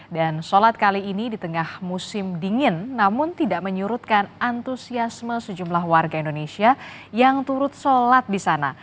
dan solat kali ini di tengah musim dingin namun tidak menyurutkan antusiasme sejumlah warga indonesia yang turut solat di sana